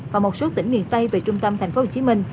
và một số tỉnh miền tây về trung tâm tp hcm